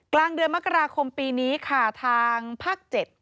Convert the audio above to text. กลางเดือนมกราคมปีนี้ค่ะทางภาค๗